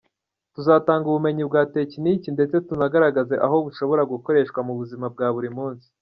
Tuzatanga ubumenyi bwa tekiniki, ndetse tunagaragaze aho bushobora gukoreshwa mu buzima bwa buri munsi.